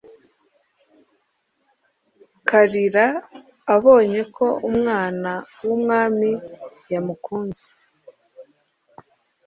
Kalira abonye ko umwana w'umwami yamukunze,